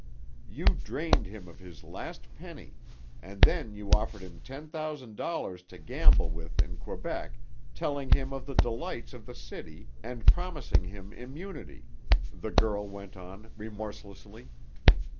"You drained him of his last penny, and then you offered him ten thousand dollars to gamble with in Quebec, telling him of the delights of the city and promising him immunity," the girl went on remorselessly.